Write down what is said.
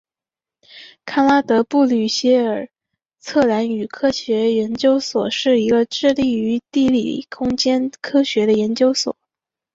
康拉德布吕歇尔测量与科学研究所是一个致力于地理空间科学的研究所。